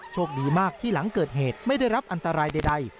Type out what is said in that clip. โชคดีมากที่หลังเกิดเหตุไม่ได้รับอันตรายใด